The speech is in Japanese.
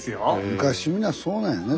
昔みんなそうなんやね。